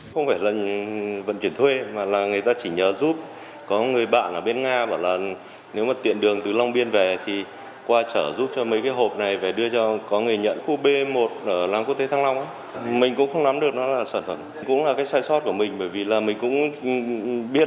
khoảng một mươi bảy h ngày hai tháng chín năm hai nghìn hai mươi một tại khu vực b một làng quốc tế thăng long phường dịch vọng quận cầu giấy hà nội cho biết